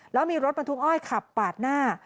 แล้วมีรถบรรทุกอ้อยขับปาดหน้า